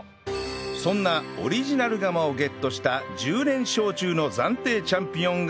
そんなオリジナル釜をゲットした１０連勝中の暫定チャンピオンが